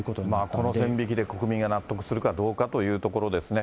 この線引きで国民が納得するかどうかというところですね。